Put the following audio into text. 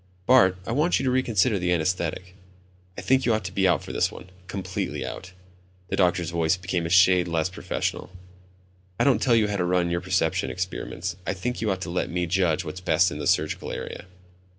"Bart, I want you to reconsider the anesthetic. I think you ought to be out for this one, completely out." The doctor's voice became a shade less professional. "I don't tell you how to run your perception experiments, I think you ought to let me judge what's best in the surgical area."